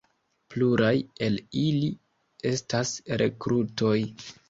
Pluraj el ili estas rekrutoj.